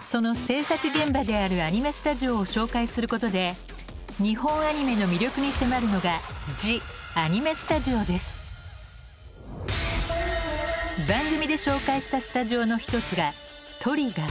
その制作現場であるアニメスタジオを紹介することで日本アニメの魅力に迫るのが番組で紹介したスタジオの一つが「ＴＲＩＧＧＥＲ」。